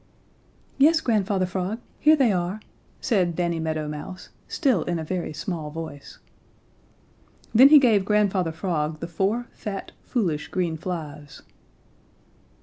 "Yes, Grandfather Frog, here they are," said Danny Meadow Mouse, still in a very small voice. Then he gave Grandfather Frog the four fat, foolish, green flies.